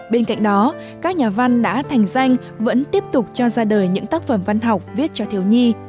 bên cạnh đó các nhà văn đã thành danh vẫn tiếp tục cho ra đời những tác phẩm văn học viết cho thiếu nhi